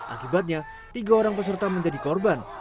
akibatnya tiga orang peserta menjadi korban